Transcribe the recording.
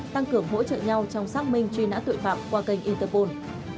tăng cường hỗ trợ nhau trong xác minh truy nã tội phạm qua kênh interpol